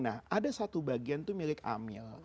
nah ada satu bagian itu milik amil